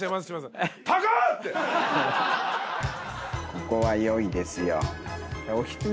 ここはよいですよ。